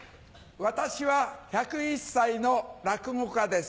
私は１０１歳の落語家です。